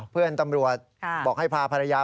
เพื่อนตำรวจบอกให้พาภรรยา